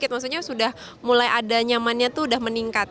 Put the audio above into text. maksudnya sudah mulai ada nyamannya itu sudah meningkat